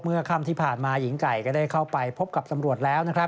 เมื่อคำที่ผ่านมาหญิงไก่ก็ได้เข้าไปพบกับตำรวจแล้ว